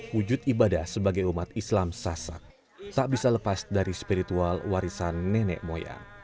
wujud ibadah sebagai umat islam sasak tak bisa lepas dari spiritual warisan nenek moyang